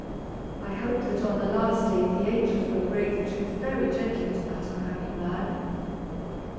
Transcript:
I hope that on the last day the angels will break the truth very gently to that unhappy man.